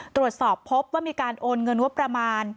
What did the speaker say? ตรวจสอบพบว่ามีการโอนเงินงบประมาณ